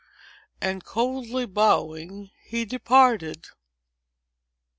And, coldly bowing, he departed.